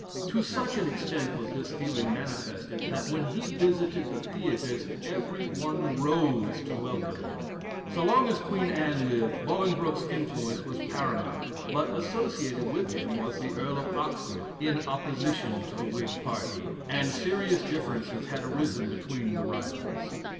To such an extent was this feeling manifested, that when he visited the theatres every one rose to welcome him. So long as Queen Anne lived, Bolingbroke's influence was paramount, but associated with him was the Earl of Oxford, in opposition to the Whig party, and serious differences had arisen between the rivals.